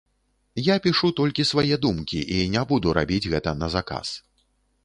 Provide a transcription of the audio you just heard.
Я пішу толькі свае думкі і не буду рабіць гэта на заказ.